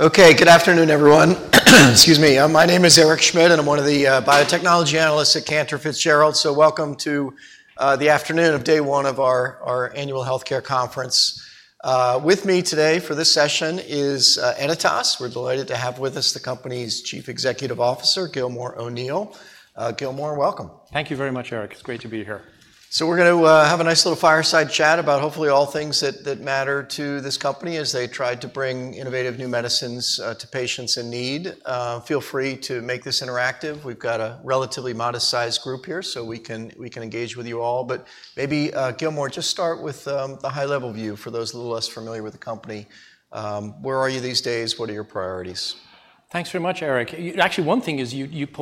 Okay, good afternoon, everyone. Excuse me. My name is Eric Schmidt, and I'm one of the biotechnology analysts at Cantor Fitzgerald. So welcome to the afternoon of day one of our annual healthcare conference. With me today for this session is Editas. We're delighted to have with us the company's Chief Executive Officer, Gilmore O'Neill. Gilmore, welcome. Thank you very much, Eric. It's great to be here. So we're gonna have a nice little fireside chat about hopefully all things that matter to this company as they try to bring innovative new medicines to patients in need. Feel free to make this interactive. We've got a relatively modest-sized group here, so we can engage with you all. But maybe, Gilmore, just start with the high-level view for those a little less familiar with the company. Where are you these days? What are your priorities? Thanks very much, Eric. Actually, one thing is you used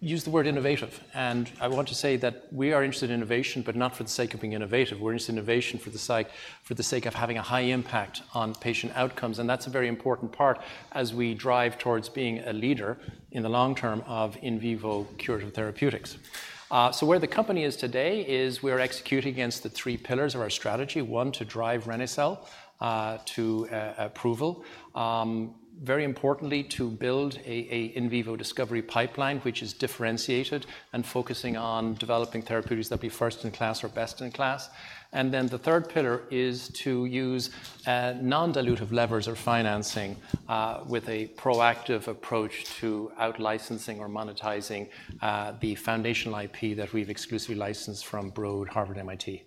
the word innovative, and I want to say that we are interested in innovation, but not for the sake of being innovative. We're interested in innovation for the sake of having a high impact on patient outcomes, and that's a very important part as we drive towards being a leader in the long term of in vivo curative therapeutics. So where the company is today is we're executing against the three pillars of our strategy: one, to drive Rene-cel to approval. Very importantly, to build an in vivo discovery pipeline, which is differentiated and focusing on developing therapeutics that'll be first-in-class or best-in-class. And then the third pillar is to use non-dilutive levers or financing with a proactive approach to out-licensing or monetizing the foundational IP that we've exclusively licensed from Broad Harvard MIT.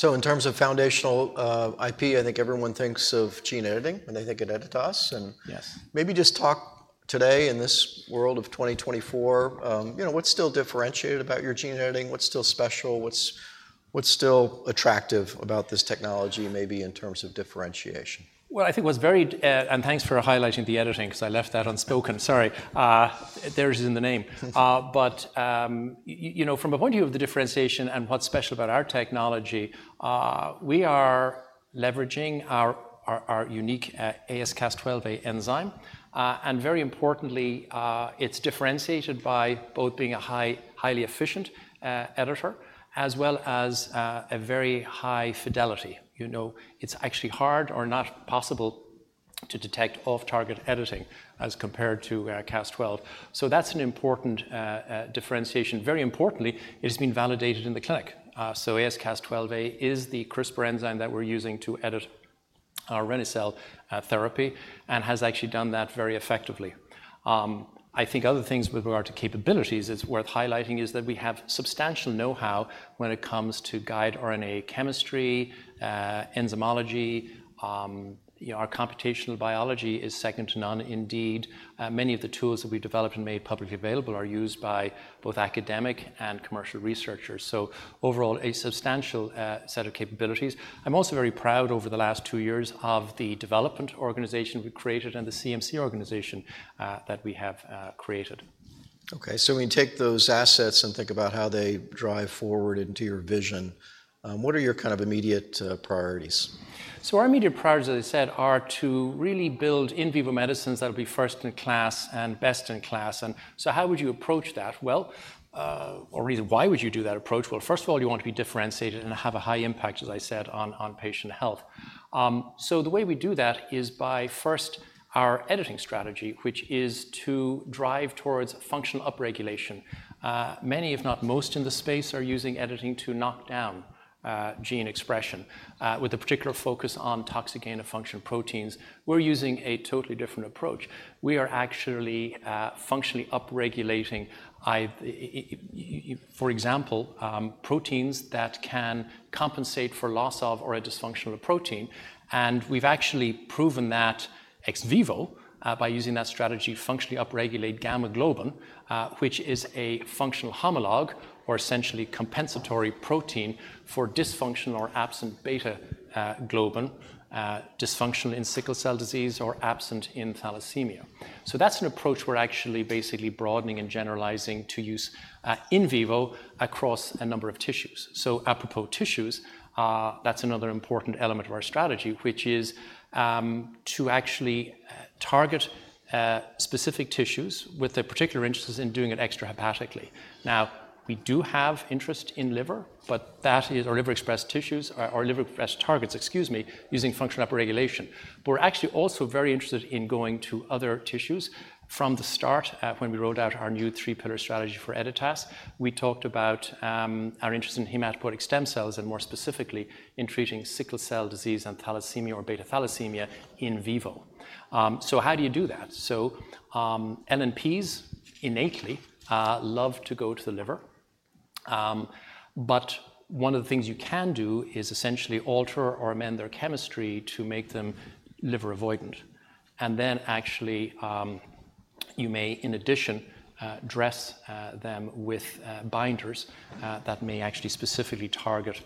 So in terms of foundational IP, I think everyone thinks of gene editing when they think of Editas, and- Yes. Maybe just talk today in this world of 2024, you know, what's still differentiated about your gene editing? What's still special? What's still attractive about this technology, maybe in terms of differentiation? I think what's very... And thanks for highlighting the editing, 'cause I left that unspoken. Sorry. There's in the name. But you know, from a point of view of the differentiation and what's special about our technology, we are leveraging our unique AsCas12a enzyme. And very importantly, it's differentiated by both being a highly efficient editor, as well as a very high fidelity. You know, it's actually hard or not possible to detect off-target editing as compared to Cas12. So that's an important differentiation. Very importantly, it has been validated in the clinic. So AsCas12a is the CRISPR enzyme that we're using to edit our Rene-cel therapy, and has actually done that very effectively. I think other things with regard to capabilities, it's worth highlighting, is that we have substantial know-how when it comes to guide RNA chemistry, enzymology. You know, our computational biology is second to none. Indeed, many of the tools that we've developed and made publicly available are used by both academic and commercial researchers, so overall, a substantial set of capabilities. I'm also very proud, over the last two years, of the development organization we've created and the CMC organization that we have created. Okay, so when you take those assets and think about how they drive forward into your vision, what are your kind of immediate priorities? So our immediate priorities, as I said, are to really build in vivo medicines that'll be first-in-class and best-in-class. And so how would you approach that? Well, or rather, why would you do that approach? Well, first of all, you want to be differentiated and have a high impact, as I said, on patient health. So the way we do that is by first our editing strategy, which is to drive towards functional upregulation. Many, if not most, in the space are using editing to knock down gene expression with a particular focus on toxic gain-of-function proteins. We're using a totally different approach. We are actually functionally upregulating, for example, proteins that can compensate for loss of or a dysfunctional protein, and we've actually proven that ex vivo by using that strategy to functionally upregulate gamma globin, which is a functional homologue or essentially compensatory protein for dysfunctional or absent beta globin, dysfunctional in sickle cell disease or absent in thalassemia. So that's an approach we're actually basically broadening and generalizing to use in vivo across a number of tissues. So apropos tissues, that's another important element of our strategy, which is to actually target specific tissues with a particular interest in doing it extrahepatically. Now, we do have interest in liver, but that is or liver-expressed tissues, or liver-expressed targets, excuse me, using functional upregulation. But we're actually also very interested in going to other tissues. From the start, when we rolled out our new three-pillar strategy for Editas, we talked about our interest in hematopoietic stem cells, and more specifically, in treating sickle cell disease and thalassemia or beta thalassemia in vivo. So how do you do that? LNPs innately love to go to the liver. But one of the things you can do is essentially alter or amend their chemistry to make them liver-avoidant, and then actually you may, in addition, dress them with binders that may actually specifically target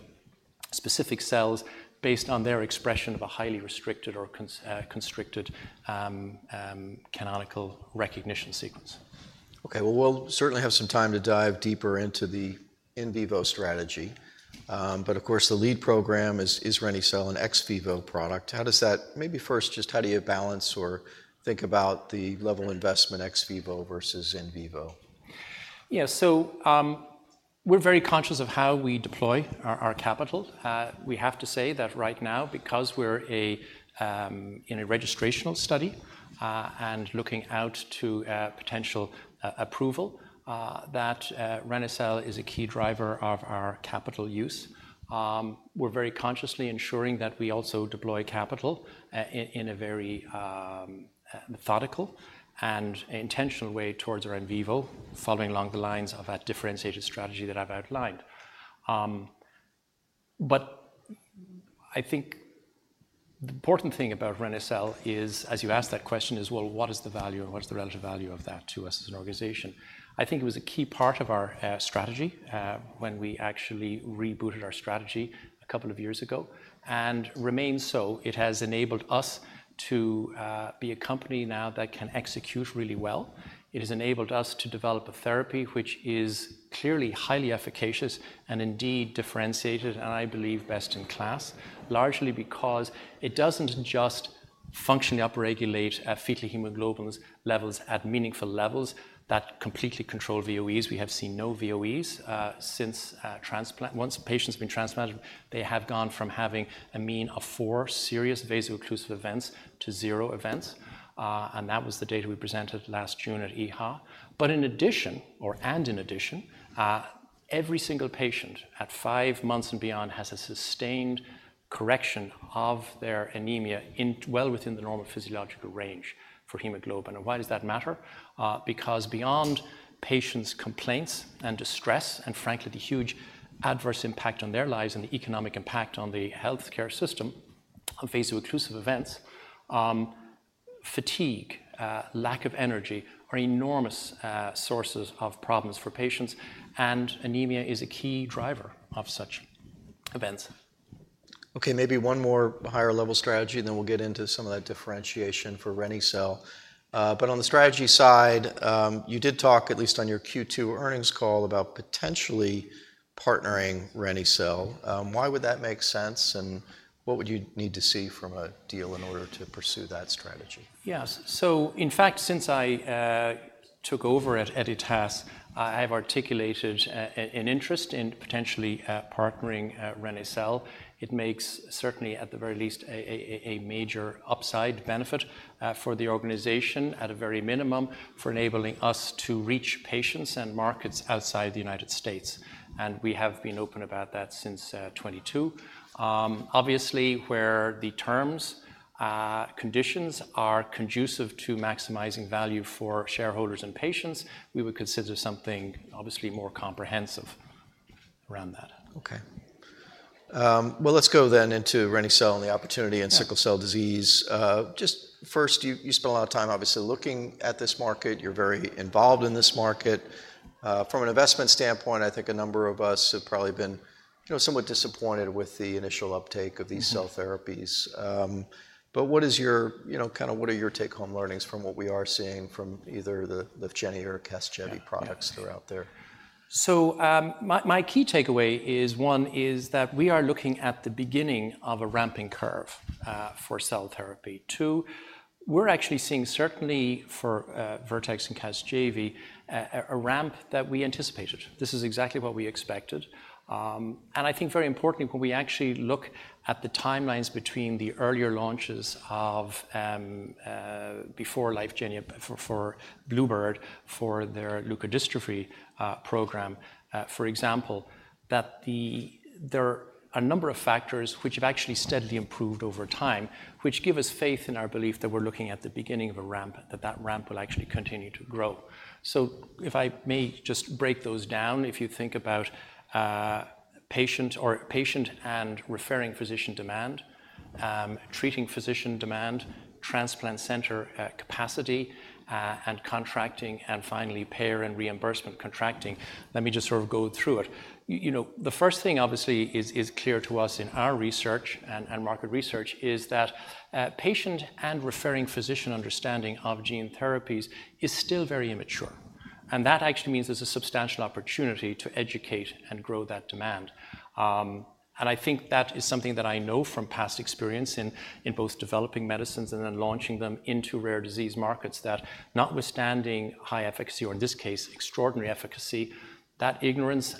specific cells based on their expression of a highly restricted or constricted canonical recognition sequence. Okay, well, we'll certainly have some time to dive deeper into the in vivo strategy. But of course, the lead program is Rene-cel, an ex vivo product. How does that? Maybe first, just how do you balance or think about the level of investment ex vivo versus in vivo? Yeah, so, we're very conscious of how we deploy our capital. We have to say that right now, because we're in a registrational study, and looking out to a potential approval, that Rene-cel is a key driver of our capital use. We're very consciously ensuring that we also deploy capital in a very methodical and intentional way towards our in vivo, following along the lines of that differentiated strategy that I've outlined. But I think the important thing about Rene-cel is, as you asked that question, is, well, what is the value or what is the relative value of that to us as an organization? I think it was a key part of our strategy, when we actually rebooted our strategy a couple of years ago, and remains so. It has enabled us to be a company now that can execute really well. It has enabled us to develop a therapy which is clearly highly efficacious, and indeed differentiated, and I believe best in class. Largely because it doesn't just functionally upregulate a fetal hemoglobin levels at meaningful levels that completely control VOEs. We have seen no VOEs since transplant. Once a patient's been transplanted, they have gone from having a mean of four serious vaso-occlusive events to zero events, and that was the data we presented last June at EHA. But in addition, every single patient at five months and beyond has a sustained correction of their anemia in well within the normal physiological range for hemoglobin. Why does that matter? Because beyond patients' complaints and distress, and frankly, the huge adverse impact on their lives and the economic impact on the healthcare system of vaso-occlusive events, fatigue, lack of energy, are enormous sources of problems for patients, and anemia is a key driver of such events. Okay, maybe one more higher level strategy, and then we'll get into some of that differentiation for Rene-cel. But on the strategy side, you did talk, at least on your Q2 earnings call, about potentially partnering Rene-cel. Why would that make sense, and what would you need to see from a deal in order to pursue that strategy? Yes. So in fact, since I took over at Editas, I've articulated an interest in potentially partnering Rene-cel. It makes certainly, at the very least, a major upside benefit for the organization at a very minimum, for enabling us to reach patients and markets outside the United States, and we have been open about that since 2022. Obviously, where the terms conditions are conducive to maximizing value for shareholders and patients, we would consider something obviously more comprehensive around that. Okay. Let's go then into Rene-cel and the opportunity in sickle cell disease. Yeah. Just first, you spent a lot of time, obviously, looking at this market. You're very involved in this market. From an investment standpoint, I think a number of us have probably been, you know, somewhat disappointed with the initial uptake of these- Mm-hmm... cell therapies. But what is your, you know, kind of what are your take-home learnings from what we are seeing from either the Lyfgenia or Casgevy products that are out there? So, my key takeaway is, one, is that we are looking at the beginning of a ramping curve for cell therapy. Two, we're actually seeing, certainly for Vertex and Casgevy, a ramp that we anticipated. This is exactly what we expected. And I think very importantly, when we actually look at the timelines between the earlier launches of, before Lyfgenia, for Bluebird, for their leukodystrophy program, for example, that there are a number of factors which have actually steadily improved over time, which give us faith in our belief that we're looking at the beginning of a ramp, that that ramp will actually continue to grow. So if I may just break those down, if you think about patient and referring physician demand, treating physician demand, transplant center capacity and contracting, and finally, payer and reimbursement contracting, let me just sort of go through it. You know, the first thing obviously is clear to us in our research and market research is that patient and referring physician understanding of gene therapies is still very immature, and that actually means there's a substantial opportunity to educate and grow that demand. And I think that is something that I know from past experience in both developing medicines and then launching them into rare disease markets, that notwithstanding high efficacy, or in this case, extraordinary efficacy, that ignorance,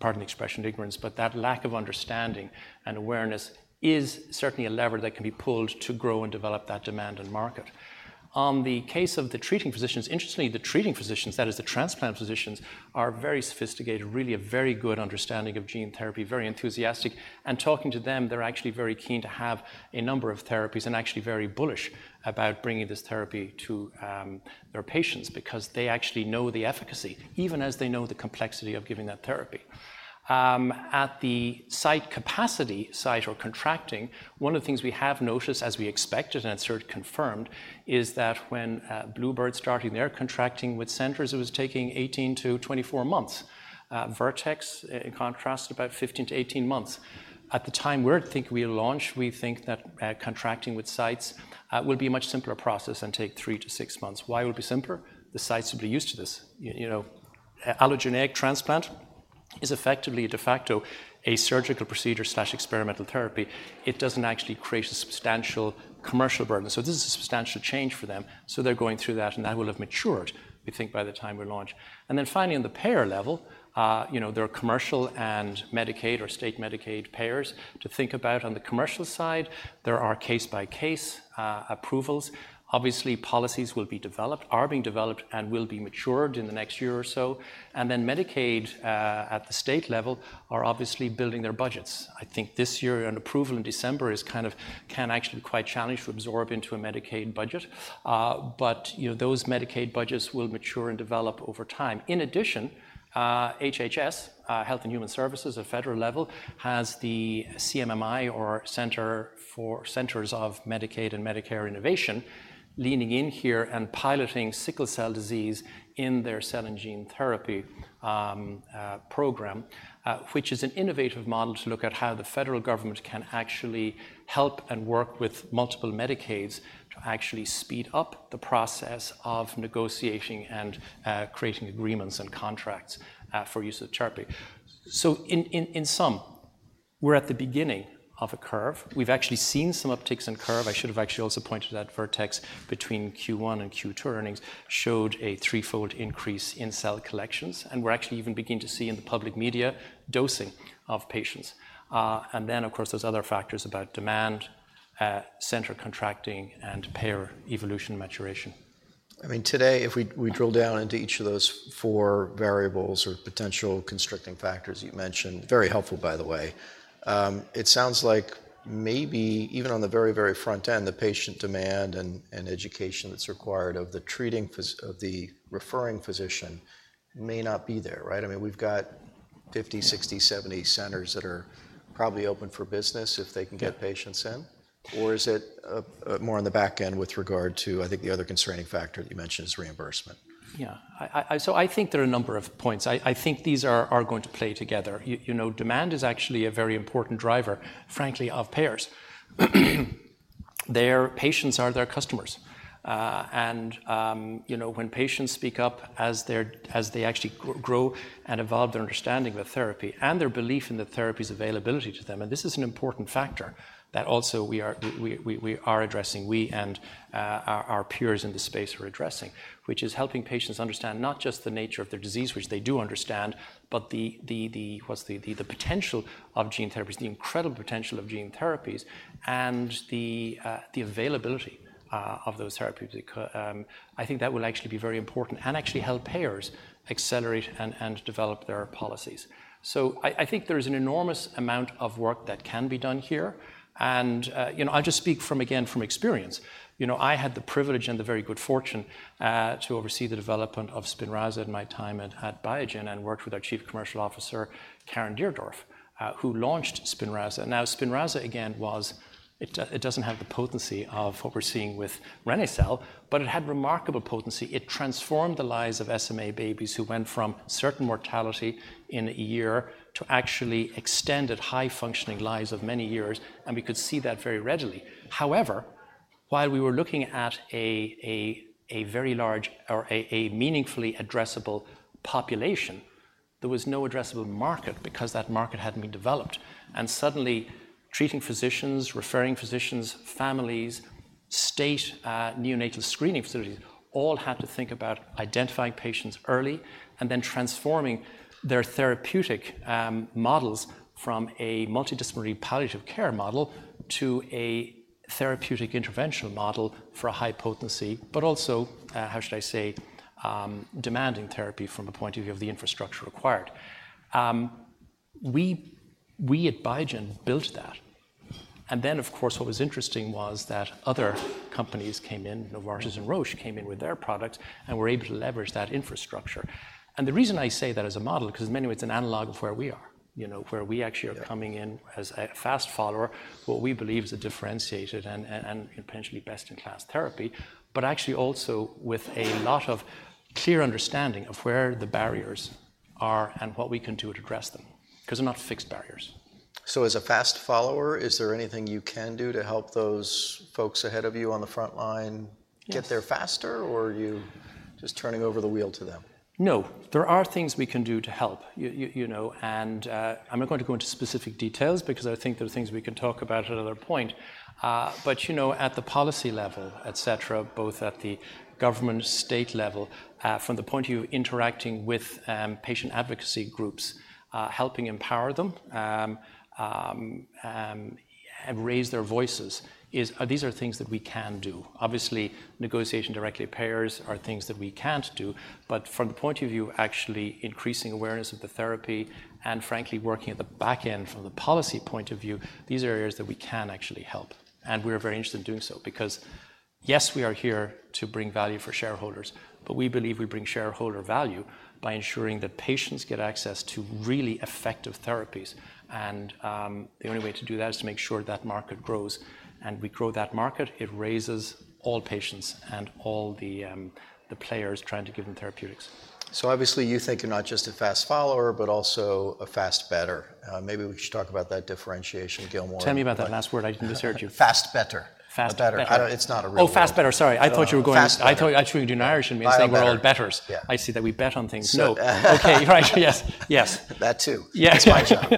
pardon the expression, ignorance, but that lack of understanding and awareness is certainly a lever that can be pulled to grow and develop that demand and market. On the case of the treating physicians, interestingly, the treating physicians, that is, the transplant physicians, are very sophisticated, really a very good understanding of gene therapy, very enthusiastic, and talking to them, they're actually very keen to have a number of therapies, and actually very bullish about bringing this therapy to their patients because they actually know the efficacy, even as they know the complexity of giving that therapy. At the site capacity, site or contracting, one of the things we have noticed, as we expected, and it's sort of confirmed, is that when Bluebird starting their contracting with centers, it was taking 18-24 months. Vertex, in contrast, about 15-18 months. At the time we think we launch, we think that contracting with sites will be a much simpler process and take 3-6 months. Why it will be simpler? The sites will be used to this. You know, allogeneic transplant is effectively de facto a surgical procedure/experimental therapy. It doesn't actually create a substantial commercial burden. So this is a substantial change for them, so they're going through that, and that will have matured, we think, by the time we launch. And then finally, on the payer level, you know, there are commercial and Medicaid or state Medicaid payers to think about. On the commercial side, there are case-by-case approvals. Obviously, policies will be developed, are being developed, and will be matured in the next year or so. And then Medicaid, at the state level, are obviously building their budgets. I think this year, an approval in December is kind of- can actually be quite challenging to absorb into a Medicaid budget. But, you know, those Medicaid budgets will mature and develop over time. In addition, HHS, Health and Human Services at federal level, has the CMMI or Center for Medicare and Medicaid Innovation, leaning in here and piloting sickle cell disease in their cell and gene therapy program, which is an innovative model to look at how the federal government can actually help and work with multiple Medicaids to actually speed up the process of negotiating and creating agreements and contracts for use of the therapy. So in sum, we're at the beginning of a curve. We've actually seen some upticks in curve. I should have actually also pointed out Vertex between Q1 and Q2 earnings showed a threefold increase in cell collections, and we're actually even beginning to see in the public media, dosing of patients. And then, of course, there's other factors about demand, center contracting, and payer evolution maturation. I mean, today, if we drill down into each of those four variables or potential constricting factors you mentioned, very helpful, by the way, it sounds like maybe even on the very, very front end, the patient demand and education that's required of the referring physician may not be there, right? I mean, we've got 50, 60, 70 centers that are probably open for business if they can get- Yeah... patients in, or is it, more on the back end with regard to, I think, the other constraining factor that you mentioned is reimbursement? Yeah. So I think there are a number of points. I think these are going to play together. You know, demand is actually a very important driver, frankly, of payers. Their patients are their customers. And you know, when patients speak up as they actually grow and evolve their understanding of the therapy and their belief in the therapy's availability to them, and this is an important factor that also we are addressing, we and our peers in this space we're addressing, which is helping patients understand not just the nature of their disease, which they do understand, but the potential of gene therapies, the incredible potential of gene therapies and the availability of those therapies. I think that will actually be very important and actually help payers accelerate and develop their policies. So I think there is an enormous amount of work that can be done here, and you know, I'll just speak from, again, experience. You know, I had the privilege and the very good fortune to oversee the development of Spinraza in my time at Biogen and worked with our Chief Commercial Officer, Caren Deardorf, who launched Spinraza. Now, Spinraza, again, was. It doesn't have the potency of what we're seeing with Rene-cel, but it had remarkable potency. It transformed the lives of SMA babies who went from certain mortality in a year to actually extended high-functioning lives of many years, and we could see that very readily. However, while we were looking at a very large or a meaningfully addressable population, there was no addressable market because that market hadn't been developed, and suddenly treating physicians, referring physicians, families, state neonatal screening facilities all had to think about identifying patients early and then transforming their therapeutic models from a multidisciplinary palliative care model to a therapeutic interventional model for a high potency, but also how should I say demanding therapy from a point of view of the infrastructure required. We at Biogen built that, and then, of course, what was interesting was that other companies came in, Novartis and Roche came in with their products, and were able to leverage that infrastructure, and the reason I say that as a model, 'cause in many ways, it's an analog of where we are, you know, where we actually- Yeah... are coming in as a fast follower, what we believe is a differentiated and potentially best-in-class therapy, but actually also with a lot of clear understanding of where the barriers are and what we can do to address them, 'cause they're not fixed barriers. So as a fast follower, is there anything you can do to help those folks ahead of you on the front line? Yes... get there faster, or are you just turning over the wheel to them? No. There are things we can do to help. You know, and I'm not going to go into specific details because I think there are things we can talk about at another point. But you know, at the policy level, et cetera, both at the government state level, from the point of view, interacting with patient advocacy groups, helping empower them and raise their voices. These are things that we can do. Obviously, negotiation directly with payers are things that we can't do, but from the point of view, actually increasing awareness of the therapy and frankly, working at the back end from the policy point of view, these are areas that we can actually help, and we're very interested in doing so. Because... Yes, we are here to bring value for shareholders, but we believe we bring shareholder value by ensuring that patients get access to really effective therapies. And the only way to do that is to make sure that market grows. And we grow that market, it raises all patients and all the players trying to give them therapeutics. So obviously you think you're not just a fast follower, but also a fast better. Maybe we should talk about that differentiation, Gilmore. Tell me about that last word. I didn't quite hear you. Fast better. Fast better. A better. It's not a real word. Oh, that's better. Sorry, I thought you were going- Fast better. I thought, actually, Editas in Irish, it means that we're all betters. Yeah. I see that we bet on things. So- Okay. Right, yes. Yes. That too. Yeah. It's my job.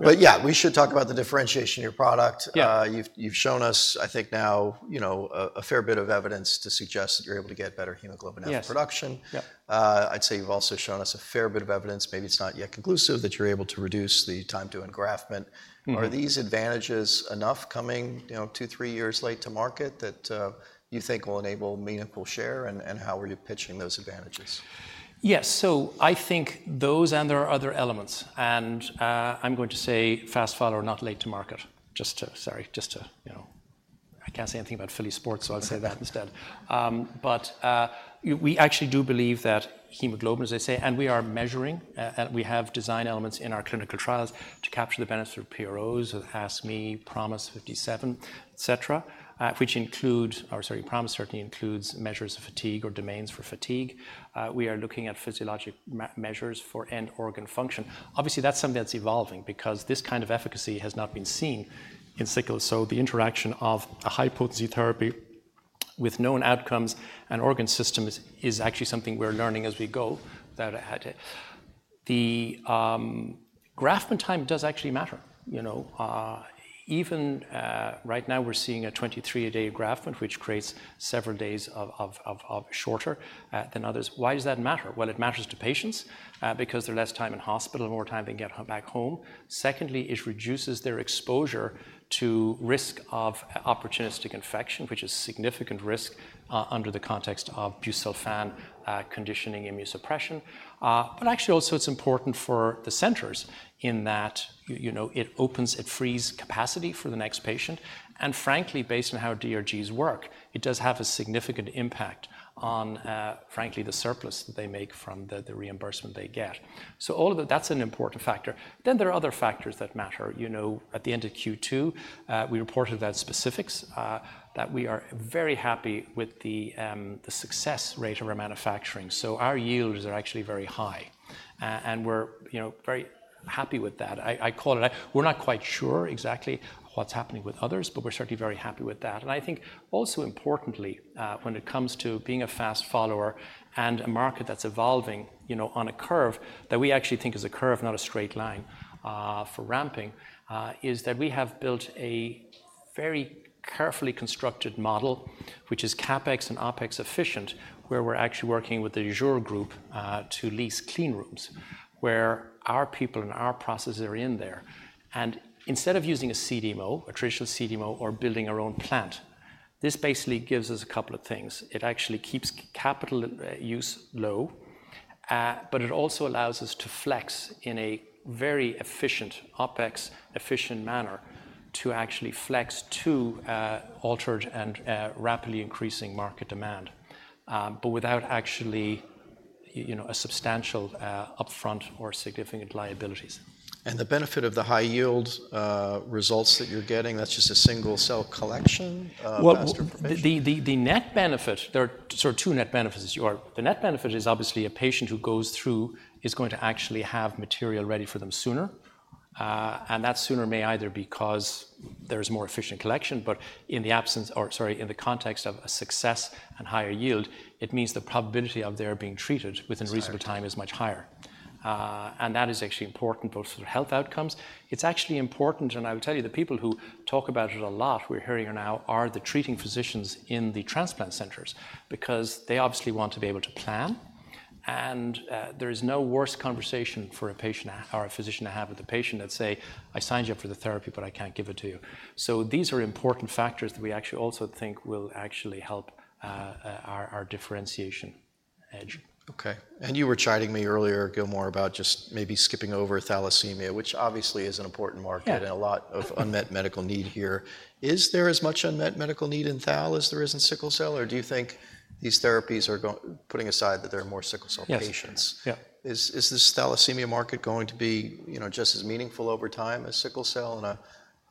But yeah, we should talk about the differentiation in your product. Yeah. You've shown us, I think now, you know, a fair bit of evidence to suggest that you're able to get better hemoglobin out of production. Yes. Yeah. I'd say you've also shown us a fair bit of evidence, maybe it's not yet conclusive, that you're able to reduce the time to engraftment. Mm-hmm. Are these advantages enough coming, you know, two, three years late to market, that you think will enable meaningful share? And how are you pitching those advantages? Yes, so I think those, and there are other elements, and, I'm going to say fast follower, not late to market. Just to - sorry, just to, you know... I can't say anything about Philly sports, so I'll say that instead. But, we actually do believe that hemoglobin, as I say, and we are measuring, and we have design elements in our clinical trials to capture the benefits through PROs, with ASCQ-Me, PROMIS-57, et cetera, which include, or sorry, PROMIS certainly includes measures of fatigue or domains for fatigue. We are looking at physiologic measures for end organ function. Obviously, that's something that's evolving, because this kind of efficacy has not been seen in sickle. So the interaction of a high-potency therapy with known outcomes and organ systems is actually something we're learning as we go, that it... The graft versus time does actually matter, you know. Even right now, we're seeing a 23-day graft, which creates several days shorter than others. Why does that matter? Well, it matters to patients because they're less time in hospital and more time they can get back home. Secondly, it reduces their exposure to risk of opportunistic infection, which is significant risk under the context of busulfan conditioning immunosuppression. But actually also it's important for the centers in that, you know, it opens, it frees capacity for the next patient, and frankly, based on how DRGs work, it does have a significant impact on, frankly, the surplus that they make from the reimbursement they get. So all of it, that's an important factor. Then there are other factors that matter. You know, at the end of Q2, we reported that specifics, that we are very happy with the, the success rate of our manufacturing. So our yields are actually very high. And we're, you know, very happy with that. I, I call it... We're not quite sure exactly what's happening with others, but we're certainly very happy with that. And I think also importantly, when it comes to being a fast follower and a market that's evolving, you know, on a curve, that we actually think is a curve, not a straight line, for ramping, is that we have built a very carefully constructed model, which is CapEx and OpEx efficient, where we're actually working with the Azzur Group, to lease clean rooms, where our people and our processes are in there. Instead of using a CDMO, a traditional CDMO, or building our own plant, this basically gives us a couple of things. It actually keeps capital use low, but it also allows us to flex in a very efficient, OpEx-efficient manner, to actually flex to altered and rapidly increasing market demand, but without actually, you know, a substantial upfront or significant liabilities. The benefit of the high yield results that you're getting, that's just a single cell collection, fast information? Well, the net benefit is obviously a patient who goes through is going to actually have material ready for them sooner. And that sooner may either be because there's more efficient collection, but in the absence or, sorry, in the context of a success and higher yield, it means the probability of they're being treated within reasonable time- Is higher... is much higher. And that is actually important both for health outcomes... It's actually important, and I will tell you, the people who talk about it a lot, we're hearing now, are the treating physicians in the transplant centers, because they obviously want to be able to plan, and there is no worse conversation for a patient or a physician to have with the patient than say, "I signed you up for the therapy, but I can't give it to you." So these are important factors that we actually also think will actually help our differentiation edge. Okay, and you were chiding me earlier, Gilmore, about just maybe skipping over thalassemia, which obviously is an important market- Yeah... and a lot of unmet medical need here. Is there as much unmet medical need in thal as there is in sickle cell, or do you think these therapies are putting aside that there are more sickle cell patients? Yes. Yeah. Is this thalassemia market going to be, you know, just as meaningful over time as sickle cell in a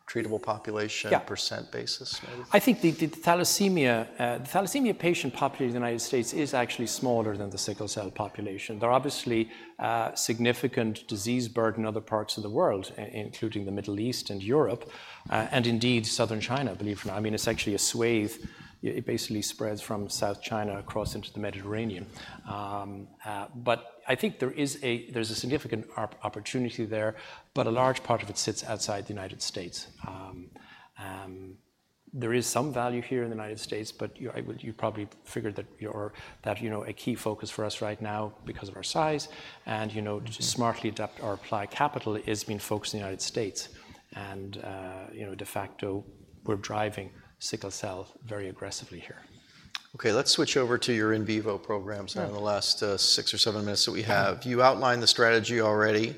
treatable population? Yeah... % basis, maybe? I think the thalassemia patient population in the United States is actually smaller than the sickle cell population. There are obviously significant disease burden in other parts of the world, including the Middle East and Europe, and indeed, Southern China, believe it or not. I mean, it's actually a swathe. It basically spreads from South China across into the Mediterranean. But I think there is a significant opportunity there, but a large part of it sits outside the United States. There is some value here in the United States, but you probably figured that, you know, a key focus for us right now, because of our size and, you know, to smartly adapt or apply capital, is being focused in the United States. You know, de facto, we're driving sickle cell very aggressively.... Okay, let's switch over to your in vivo programs now in the last six or seven minutes that we have. You outlined the strategy already.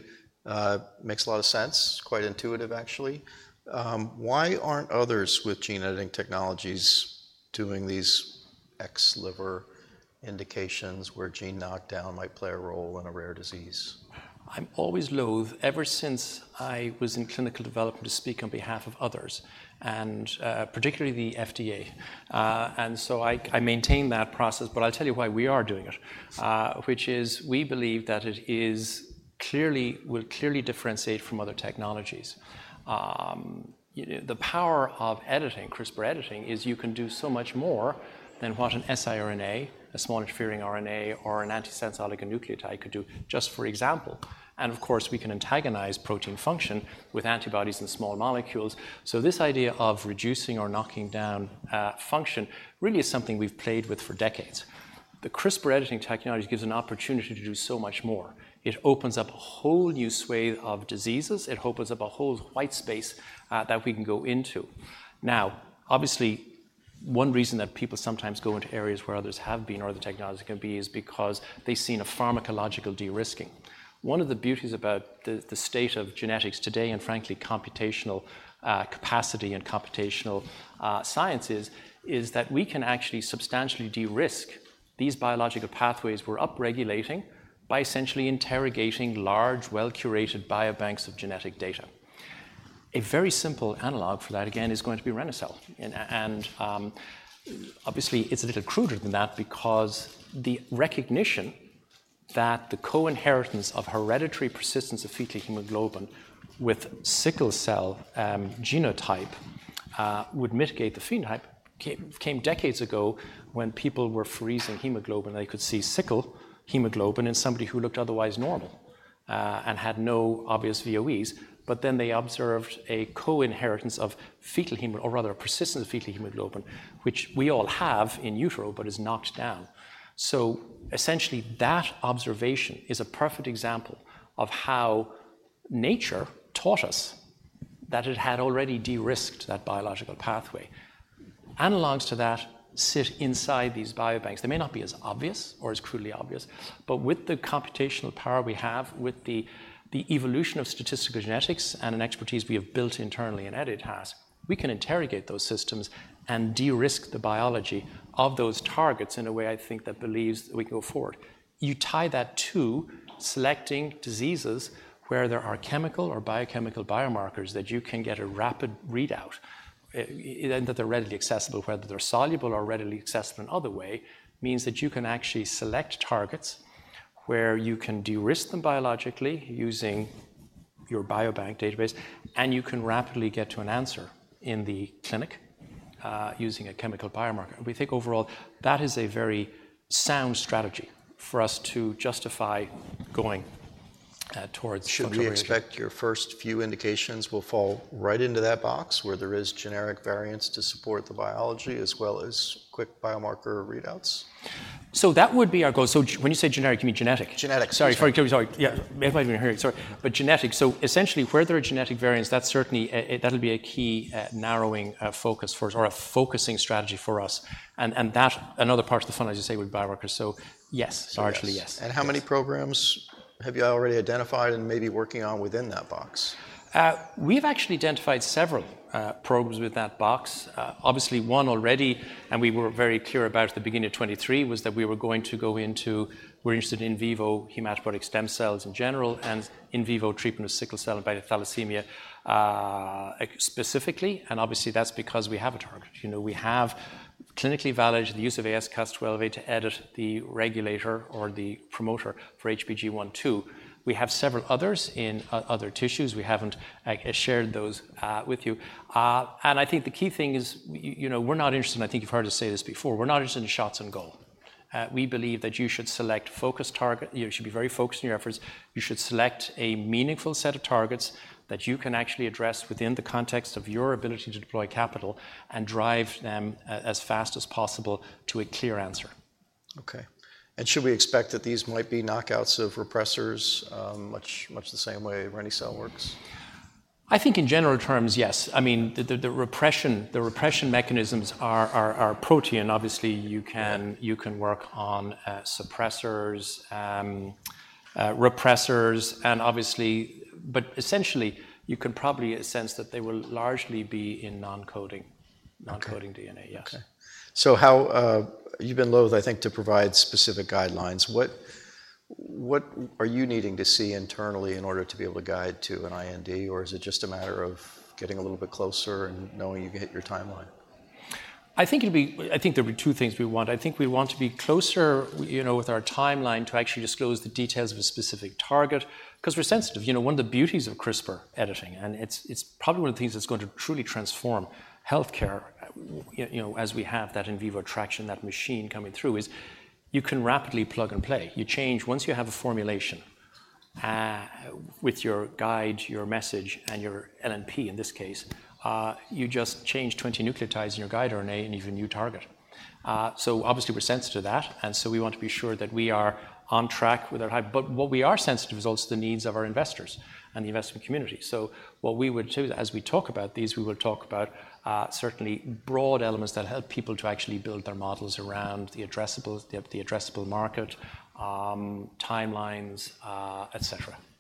Makes a lot of sense, quite intuitive actually. Why aren't others with gene editing technologies doing these extrahepatic indications where gene knockdown might play a role in a rare disease? I'm always loath, ever since I was in clinical development, to speak on behalf of others, and particularly the FDA, and so I maintain that process, but I'll tell you why we are doing it, which is we believe that it will clearly differentiate from other technologies. You know, the power of editing, CRISPR editing, is you can do so much more than what an siRNA, a small interfering RNA, or an antisense oligonucleotide could do, just for example, and of course, we can antagonize protein function with antibodies and small molecules, so this idea of reducing or knocking down function really is something we've played with for decades. The CRISPR editing technology gives an opportunity to do so much more. It opens up a whole new swathe of diseases. It opens up a whole white space, that we can go into. Now, obviously, one reason that people sometimes go into areas where others have been or other technology can be is because they've seen a pharmacological de-risking. One of the beauties about the state of genetics today, and frankly, computational capacity and computational sciences, is that we can actually substantially de-risk these biological pathways we're up-regulating by essentially interrogating large, well-curated biobanks of genetic data. A very simple analog for that, again, is going to be Rene-cel. Obviously, it's a little cruder than that because the recognition that the co-inheritance of hereditary persistence of fetal hemoglobin with sickle cell genotype would mitigate the phenotype came decades ago when people were freezing hemoglobin, and they could see sickle hemoglobin in somebody who looked otherwise normal and had no obvious VOEs. But then they observed a co-inheritance of fetal hemoglobin or rather a persistent fetal hemoglobin, which we all have in utero, but is knocked down. So essentially, that observation is a perfect example of how nature taught us that it had already de-risked that biological pathway. Analogs to that sit inside these biobanks. They may not be as obvious or as crudely obvious, but with the computational power we have, with the evolution of statistical genetics and an expertise we have built internally, and Editas has, we can interrogate those systems and de-risk the biology of those targets in a way, I think, that believes that we can go forward. You tie that to selecting diseases where there are chemical or biochemical biomarkers that you can get a rapid readout, and that they're readily accessible, whether they're soluble or readily accessible in other way, means that you can actually select targets where you can de-risk them biologically using your biobank database, and you can rapidly get to an answer in the clinic, using a chemical biomarker. We think overall that is a very sound strategy for us to justify going, towards functional- Should we expect your first few indications will fall right into that box, where there are genetic variants to support the biology as well as quick biomarker readouts? So that would be our goal. So when you say generic, you mean genetic? Genetic. Sorry, forgive me, sorry. Yeah, it might have been a red herring, sorry, but genetic, so essentially, where there are genetic variants, that's certainly. That'll be a key narrowing focus for us or a focusing strategy for us, and that's another part of the fun, as you say, with biomarkers, so yes, largely yes. Yes. And how many programs have you already identified and may be working on within that box? We've actually identified several programs with that box. Obviously, one already, and we were very clear about at the beginning of 2023, was that we were going to go into... We're interested in vivo hematopoietic stem cells in general, and in vivo treatment of sickle cell and beta thalassemia, specifically, and obviously, that's because we have a target. You know, we have clinically validated the use of AsCas12a to edit the regulator or the promoter for HBG1-2. We have several others in other tissues. We haven't shared those with you, and I think the key thing is, you know, we're not interested, and I think you've heard us say this before, we're not interested in shots on goal. We believe that you should select focused target. You should be very focused in your efforts. You should select a meaningful set of targets that you can actually address within the context of your ability to deploy capital and drive them as fast as possible to a clear answer. Okay. And should we expect that these might be knockouts of repressors, much, much the same way Rene-cel works? I think in general terms, yes. I mean, the repression mechanisms are protean. Obviously, you can work on suppressors, repressors, and obviously. But essentially, you can probably sense that they will largely be in non-coding- Okay... non-coding DNA. Yes. Okay. So how, You've been loath, I think, to provide specific guidelines. What are you needing to see internally in order to be able to guide to an IND, or is it just a matter of getting a little bit closer and knowing you can hit your timeline? I think there'll be two things we want. I think we want to be closer, you know, with our timeline, to actually disclose the details of a specific target 'cause we're sensitive. You know, one of the beauties of CRISPR editing, and it's probably one of the things that's going to truly transform healthcare, you know, as we have that in vivo application, that machine coming through, is you can rapidly plug and play. Once you have a formulation, with your guide, your message, and your LNP, in this case, you just change 20 nucleotides in your guide RNA, and you have a new target. So obviously we're sensitive to that, and so we want to be sure that we are on track with our hype. But what we are sensitive to is also the needs of our investors and the investment community. So what we would do, as we talk about these, we will talk about certainly broad elements that help people to actually build their models around the addressable market, timelines, et cetera. Okay.